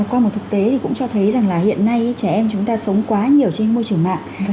qua một thực tế thì cũng cho thấy rằng là hiện nay trẻ em chúng ta sống quá nhiều trên môi trường mạng